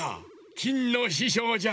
きんのししょうじゃ。